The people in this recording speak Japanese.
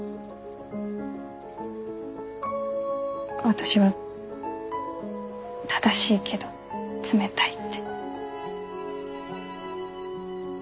私は正しいけど冷たいって。